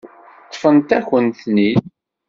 Ṭṭfent-akent-ten-id.